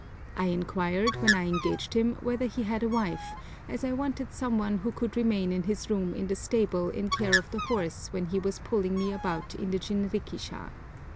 I inquired, when I engaged him, whether he had a wife, as I wanted some one who could remain in his room in the stable in care of the horse when he was pulling me about in the jinrikisha.